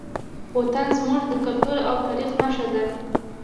وطن زموږ د کلتور او تاریخ نښه ده.